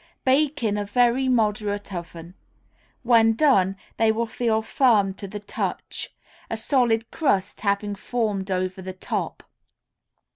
Bake in a very moderate oven. When done, they will feel firm to the touch, a solid crust having formed over the top.